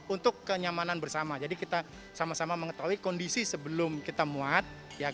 untuk kenyamanan bersama jadi kita sama sama mengetahui kondisi sebelum kita muat